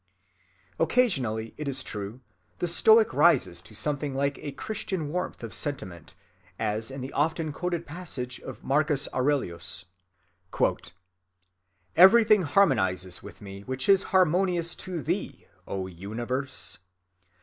Occasionally, it is true, the Stoic rises to something like a Christian warmth of sentiment, as in the often quoted passage of Marcus Aurelius:— "Everything harmonizes with me which is harmonious to thee, O Universe.